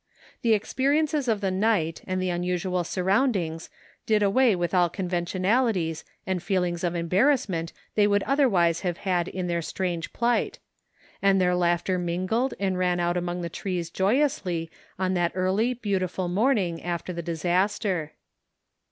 The experiences of the night and the imusual surroimdings did away with all conventionalities and feelings of embarrassment they would otherwise have had in their strange plight; and their laughter mingled and rang out among the trees joyously on that early beautiful morning after the disaster.